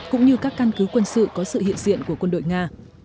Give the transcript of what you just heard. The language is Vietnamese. cũng như các căn cứ quân sự có sự hiện diện của quân đội nga